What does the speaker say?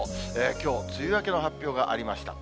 きょう、梅雨明けの発表がありました。